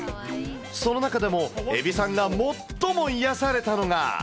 その中でも、えびさんが最も癒やされたのが。